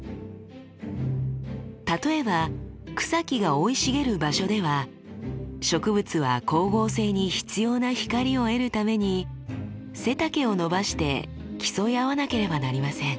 例えば草木が生い茂る場所では植物は光合成に必要な光を得るために背丈を伸ばして競い合わなければなりません。